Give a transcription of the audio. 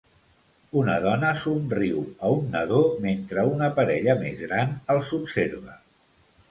Una dona somriu a un nadó mentre una parella més gran els observa.